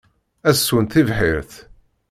Ad sswent tibḥirt.